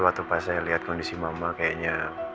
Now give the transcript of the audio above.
setelah saya lihat kondisi mama kayaknya